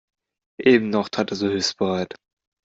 Eben noch tat er so hilfsbereit.